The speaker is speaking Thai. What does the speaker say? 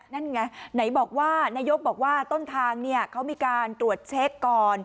นั่นไงไหนบอกว่านายกบอกว่าต้นทางเนี่ยเขามีการตรวจเช็คก่อน